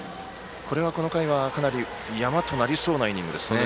この回は、かなり山となりそうなイニングですね。